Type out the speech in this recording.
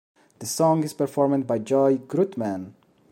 The song is performed by Joy Gruttmann.